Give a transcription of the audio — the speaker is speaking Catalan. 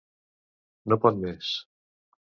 No pot més.